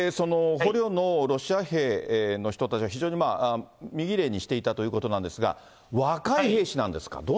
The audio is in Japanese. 捕虜のロシア兵の人たちは、非常に身ぎれいにしていたということなんですが、若い兵士なんですか？